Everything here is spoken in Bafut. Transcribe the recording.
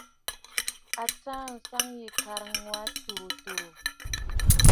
A tsaa àŋsaŋ yî ŋ̀kàŋ wà tùrə̀ tùrə̀.